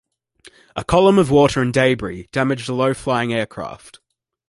A column of water and debris damaged the low flying aircraft.